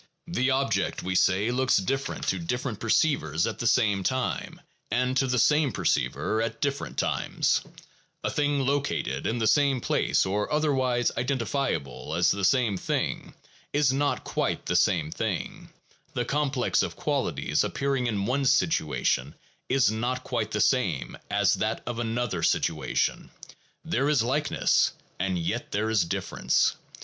The object, we say, looks different to different 430 THE PHILOSOPHICAL REVIEW. [Vol. XXI. perceivers at the same time and to the same perceiver at different times; a thing located in the same place, or otherwise identifiable as the same thing, is not quite the same thing; the complex of qualities appearing in one situation is not quite the same as that of another situation : there is likeness and yet there is difference.